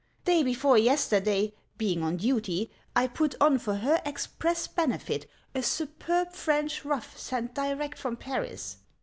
Day before yesterday, being on duty, I put on for her express benefit a superb French ruff sent direct from Paris.